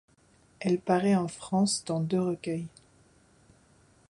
Elle parait en France dans deux recueils.